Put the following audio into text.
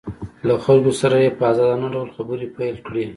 له خلکو سره یې په ازادانه ډول خبرې پیل کړې